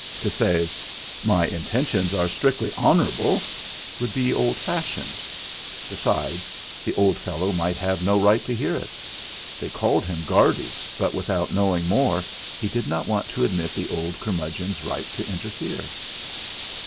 To say: "My intentions are strictly honourable" would be old fashioned; besides the old fellow might have no right to hear it. They called him Guardy, but without knowing more he did not want to admit the old curmudgeon's right to interfere.